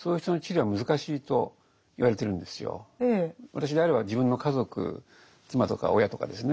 私であれば自分の家族妻とか親とかですね